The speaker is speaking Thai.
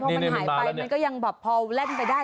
พอมันหายไปมันก็ยังแบบพอแล่นไปได้